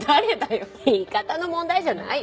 言い方の問題じゃないよね。